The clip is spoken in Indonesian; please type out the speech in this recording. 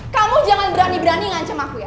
kamu jangan berani berani ngancam aku ya